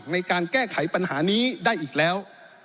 ในการแก้ไขปัญหานี้ได้อีกแล้ว